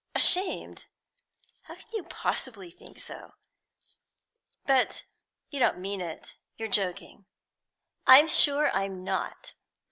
"Ashamed! How can you possibly think so? But you don't mean it; you are joking." "I'm sure I'm not.